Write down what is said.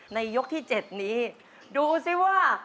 ยกที่๗นี้ดูสิว่า